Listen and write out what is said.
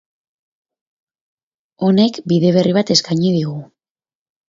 Honek bide berri bat eskaini digu.